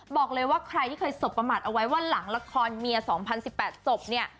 บอกเลยว่าใครที่เคยสบประมาทเอาไว้ว่าหลังละครเมีย๒๐๑๘ศพเนี่ย